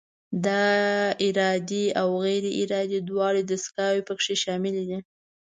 دا ارادي او غیر ارادي دواړه دستګاوې پکې شاملې دي.